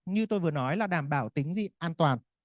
như tôi vừa nói là đảm bảo tính dị an toàn